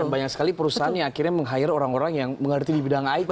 banyak sekali perusahaan yang akhirnya meng hire orang orang yang mengerti di bidang it